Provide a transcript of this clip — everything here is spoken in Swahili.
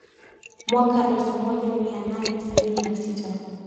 mwaka elfumoja mia nane sabini na sita